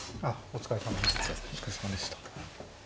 お疲れさまでした。